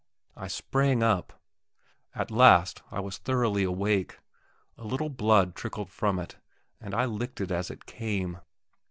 I sprang up. At last I was thoroughly awake. A little blood trickled from it, and I licked it as it came.